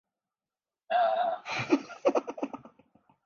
ایسا تعلق عام طور پر انقلابیوں کے ساتھ ہوتا ہے۔